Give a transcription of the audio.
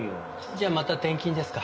じゃあまた転勤ですか。